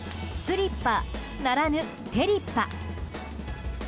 スリッパならぬテリッパ。